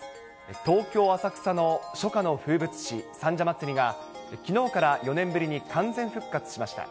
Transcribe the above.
東京・浅草の初夏の風物詩、三社祭がきのうから４年ぶりに完全復活しました。